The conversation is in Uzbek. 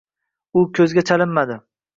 U ko‘zga chalinmadi